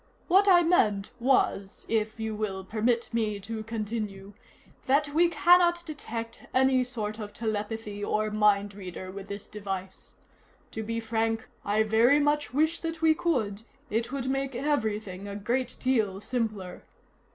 "What I meant was if you will permit me to continue that we cannot detect any sort of telepathy or mind reader with this device. To be frank, I very much wish that we could; it would make everything a great deal simpler.